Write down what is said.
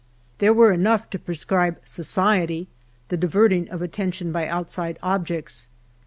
There were enough to prescribe society, the diverting of attention by outside objects.